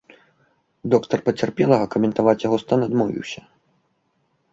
Доктар пацярпелага каментаваць яго стан адмовіўся.